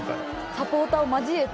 サポーターを交えて。